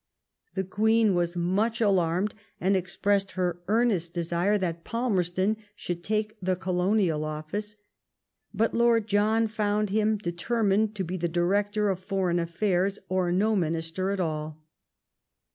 The Queen was much alarmed, and expressed her earnest desire that Palmerston should take the Colo nial Office ; but Lord John found him determined to be the director of Foreign Affairs or no minister at all.